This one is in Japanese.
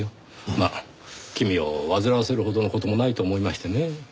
まあ君を煩わせるほどの事もないと思いましてねぇ。